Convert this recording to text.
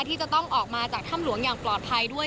ที่จะต้องออกมาจากถ้ำหลวงอย่างปลอดภัยด้วย